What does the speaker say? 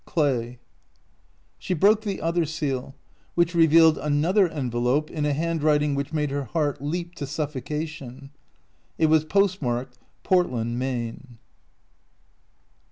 Clay. She broke the other seal, which revealed another envelope in a handwriting which made her heart leap to suffocation. It was postmarked Portlapd, Maine.